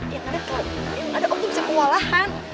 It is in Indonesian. yang ada tuh bisa kewalahan